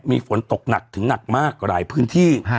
มีฝนตกหนักถึงหนักมากหลายพื้นที่